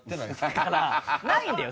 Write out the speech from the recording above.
だからないんだよ。